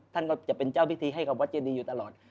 ท่านก็จะเป็นเจ้าพิธีให้กับวัดเจดีอยู่ตลอด